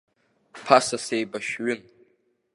Ԥаса сеибашьҩын.